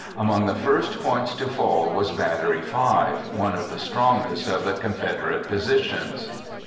Among the first points to fall was Battery 5, one of the strongest of the Confederate positions.